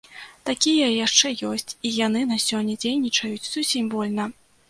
Такія яшчэ ёсць, і яны на сёння дзейнічаюць зусім вольна.